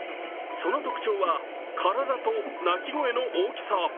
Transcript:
その特徴は体と鳴き声の大きさ。